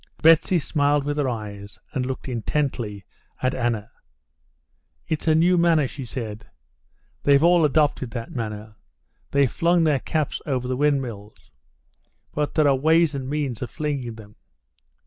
Betsy smiled with her eyes, and looked intently at Anna. "It's a new manner," she said. "They've all adopted that manner. They've flung their caps over the windmills. But there are ways and ways of flinging them."